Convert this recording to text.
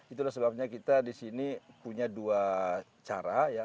itulah sebabnya kita di sini punya dua cara ya